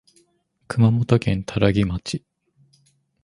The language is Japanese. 熊本県多良木町